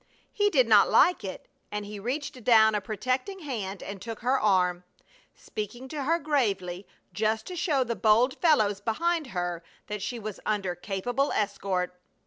He did not like it, and he reached down a protecting hand and took her arm, speaking to her gravely, just to show the bold fellows behind her that she was under capable escort.